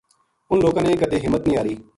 اِنھ لوکاں نے کَدی ہمت نیہہ ہاری